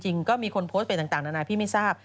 จริงก็มีคนโพสต์เปลี่ยนต่างนานายพี่ไม่ทราบ